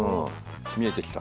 見えてきた！